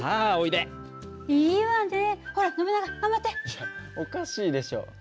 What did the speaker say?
いやおかしいでしょ。